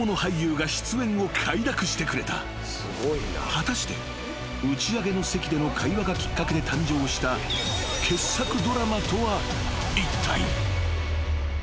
［果たして打ち上げの席での会話がきっかけで誕生した傑作ドラマとはいったい］